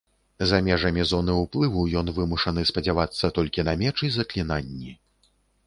За межамі зоны ўплыву ён вымушаны спадзявацца толькі на меч і заклінанні.